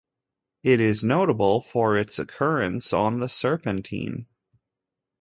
It is notable for its occurrence on serpentine.